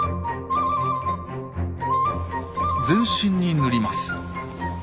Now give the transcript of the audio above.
全身に塗ります。